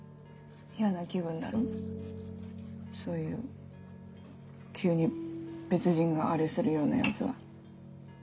嫌な気分だろそういう急に別人があれするようなヤツは。